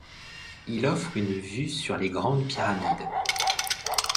Il offre une vue sur les grandes pyramides.